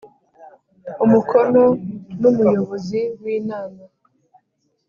Umukono n umuyobozi w inama